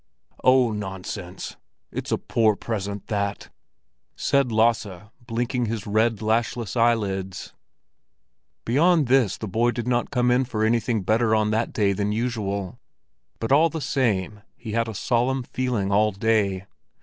"Oh, nonsense! It's a poor present, that!" said Lasse, blinking his red, lashless eyelids. Beyond this the boy did not come in for anything better on that day than usual, but all the same he had a solemn feeling all day.